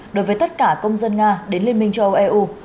đối với tất cả công dân nga đến liên minh châu âu eu